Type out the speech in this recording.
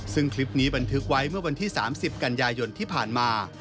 ซึ่งคลิปนี้บันทึกไว้เมื่อวันที่๓๐กันยายนที่ผ่านมา